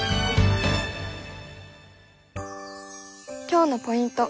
今日のポイント